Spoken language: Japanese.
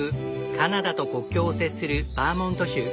カナダと国境を接するバーモント州。